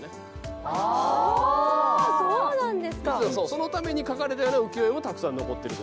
そのために描かれたような浮世絵もたくさん残ってる。